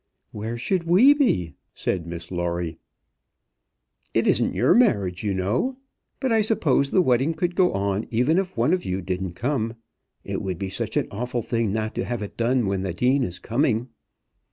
"Where should we be?" said Miss Lawrie. "It isn't your marriage, you know. But I suppose the wedding could go on even if one of you didn't come. It would be such an awful thing not to have it done when the Dean is coming."